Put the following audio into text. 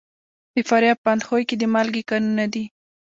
د فاریاب په اندخوی کې د مالګې کانونه دي.